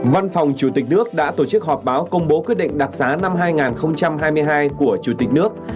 văn phòng chủ tịch nước đã tổ chức họp báo công bố quyết định đặc giá năm hai nghìn hai mươi hai của chủ tịch nước